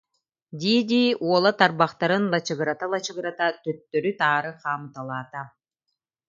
дии-дии, уола тарбахтарын лачыгырата-лачыгырата, төттөрү-таары хаамыталаата